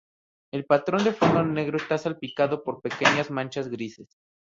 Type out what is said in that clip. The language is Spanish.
El patrón de fondo negro está salpicado por pequeñas manchas grises.